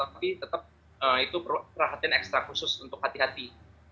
tapi tetap itu perlu perhatian ekstra khusus untuk hati hati